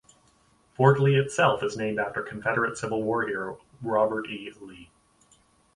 Fort Lee itself is named after Confederate Civil War hero Robert E. Lee.